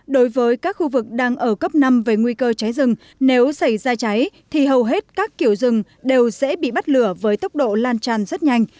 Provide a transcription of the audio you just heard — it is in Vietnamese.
đối với các khu vực đang ở cấp năm về nguy cơ cháy rừng nếu xảy ra cháy thì hầu hết các kiểu rừng đều dễ bị bắt lửa với tốc độ lan tràn rất nhanh